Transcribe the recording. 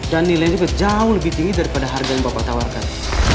dan nilainya juga jauh lebih tinggi daripada harga yang bapak tawarkan